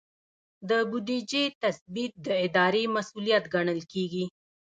د بودیجې تثبیت د ادارې مسؤلیت ګڼل کیږي.